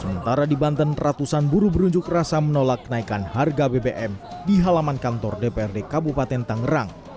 sementara di banten ratusan buruh berunjuk rasa menolak kenaikan harga bbm di halaman kantor dprd kabupaten tangerang